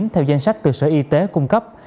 theo danh sách từ sở y tế cung cấp